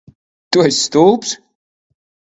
Tu esi stulbs?